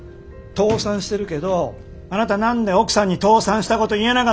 倒産してるけどあなた何で奥さんに倒産したこと言えなかったの？